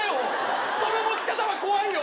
その持ち方は怖いよ！